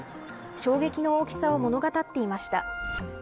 衝撃の大きさを物語っていました。